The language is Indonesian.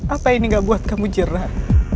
apa ini gak buat kamu jerah